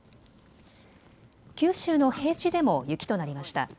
九州の平地でも雪となりました。